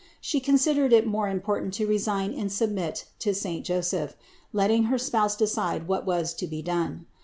She considered it more important to resign and submit to saint Joseph, letting her spouse decide what was to be done.